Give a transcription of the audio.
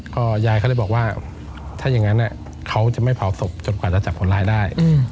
ก็ยายเขาเลยบอกว่าถ้าอย่างนั้นเขาจะไม่เผาศพจนกว่าจะจับคนร้ายได้